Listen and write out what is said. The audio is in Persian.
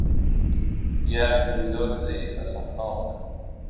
یک رویداد اسفناک